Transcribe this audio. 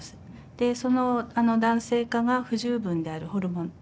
でその男性化が不十分である。